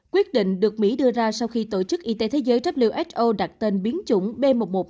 quyết định được mỹ đưa ra sau khi tổ chức y tế thế giới who đặt tên biến chủng b một một năm trăm hai mươi chín